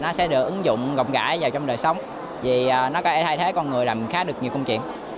nó sẽ được ứng dụng gọng gãi vào trong đời sống vì nó có thể thay thế con người làm khá được nhiều công chuyện